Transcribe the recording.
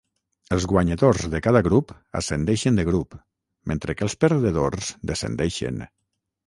Els guanyadors de cada grup ascendeixen de grup mentre que els perdedors descendeixen.